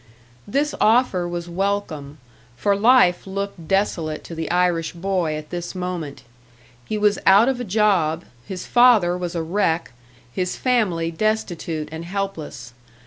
This offer was welcome; for life looked desolate to the Irish boy at this moment. He was out of a job, his father was a wreck, his family destitute and helpless.